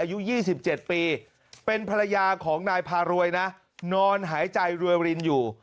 อายุ๒๗ปีเป็นภรรยาของนายพารวยนะนอนหายใจรวยรินอยู่